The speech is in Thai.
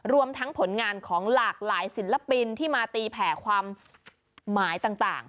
รวมทั้งผลงานของหลากหลายศิลปินที่มาตีแผ่ความหมายต่าง